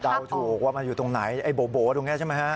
ถูกว่ามันอยู่ตรงไหนไอ้โบ๋ตรงนี้ใช่ไหมฮะ